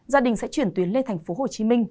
gia đình sẽ chuyển tiến lên tp hcm